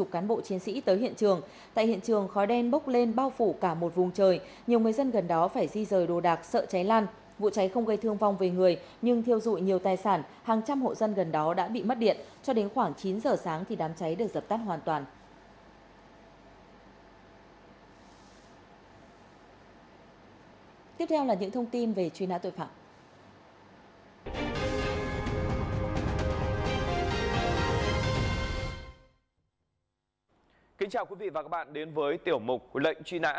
kính chào quý vị và các bạn đến với tiểu mục lệnh truy nã